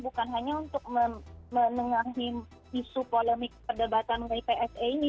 bukan hanya untuk menengahi isu polemik perdebatan mengenai pse ini